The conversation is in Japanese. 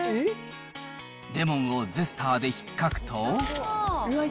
レモンをゼスターでひっかくと。